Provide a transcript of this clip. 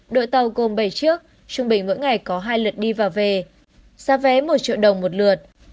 đội tàu gồm bảy chiếc trung bình mỗi ngày có hai lượt đi và về giá vé một triệu đồng một lượt